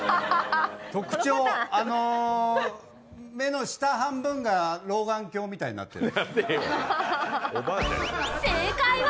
特徴、目の下半分が老眼鏡みたいになってる？